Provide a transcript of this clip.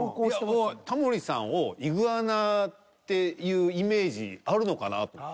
いやタモリさんをイグアナっていうイメージあるのかな？と思って。